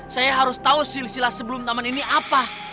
saya harus tahu silsilah sebelum taman ini apa